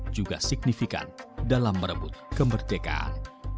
juga signifikan dalam merebut kemerdekaan